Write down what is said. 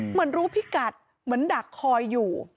เหมือนรู้พิกัดเหมือนดักคอยอยู่